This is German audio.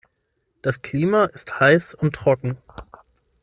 Das Klima ist heiß und trocken.